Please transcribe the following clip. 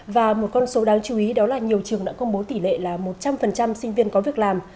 và một con số đáng chú ý đó là nhiều trường đã công bố tỷ lệ là một trăm linh sinh viên có việc làm